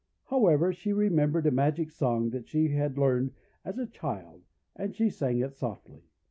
However, she re membered a magic song that she had learned as a child, and she sang it softly.